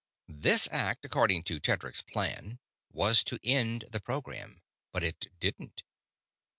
This act, according to Tedric's plan, was to end the program but it didn't.